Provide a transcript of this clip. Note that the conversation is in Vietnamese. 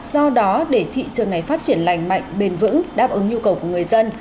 do đó để thị trường này phát triển lành mạnh bền vững đáp ứng nhu cầu của người dân